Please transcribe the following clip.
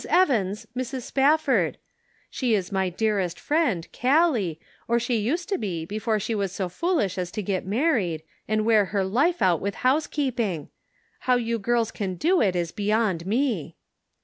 Evans, Mrs. Spafford ; she is my dearest friend, Callie, or she used to be before she was so foolish as to get married, and wear her life out with house keeping ! How you girls can do it is beyond me